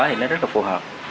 thì nó rất là phù hợp